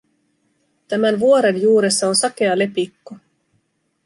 Tämän vuoren juuressa on sakea lepikko.